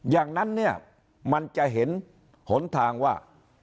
อย่างนั้นเนี่ยมันจะเห็นหนทางว่า